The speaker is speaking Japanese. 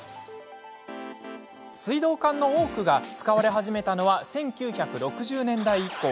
水道管の多くが使われ始めたのは１９６０年代以降。